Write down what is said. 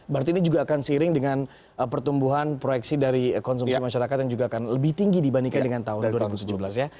berarti ini juga akan seiring dengan pertumbuhan proyeksi dari konsumsi masyarakat yang juga akan lebih tinggi dibandingkan dengan tahun dua ribu tujuh belas ya